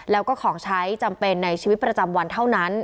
แล้วก็ของใช้จำเป็นในชีวิตประจำวันเท่านั้น